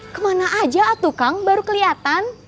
kemana aja atuh kang baru keliatan